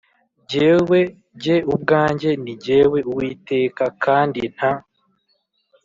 Jyewe jye ubwanjye ni jyewe Uwiteka kandi nta